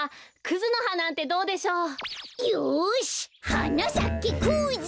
「はなさけクズ」